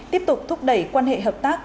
tiếp tục thúc đẩy quan hệ hợp tác